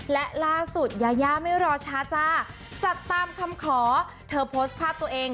และล่าสุดยายาไม่รอช้าจ้าจัดตามคำขอเธอโพสต์ภาพตัวเอง